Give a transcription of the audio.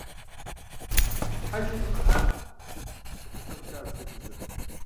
– Тхьэ, жызмыӀа! – къыхэщэӀукӀащ фызыжьыр.